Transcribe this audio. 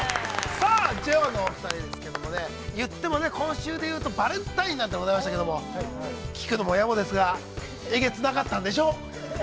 さあＪＯ１のお二人ですけれども言っても今週で言うと、バレンタインなんて、ございましたけど、聞くのもやぼですが、えげつなかったんでしょう？